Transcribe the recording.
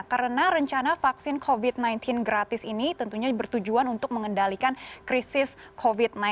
karena rencana vaksin covid sembilan belas gratis ini tentunya bertujuan untuk mengendalikan krisis covid sembilan belas